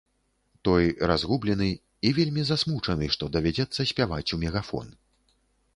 Той разгублены і вельмі засмучаны, што давядзецца спяваць у мегафон.